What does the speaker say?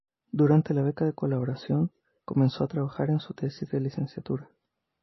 Durante la beca de colaboración comenzó a trabajar en su tesis de licenciatura.